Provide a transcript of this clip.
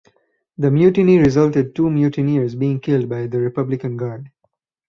The mutiny resulted two mutineers being killed by the Republican Guard.